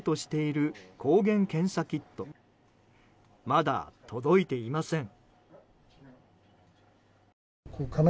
まだ届いていません。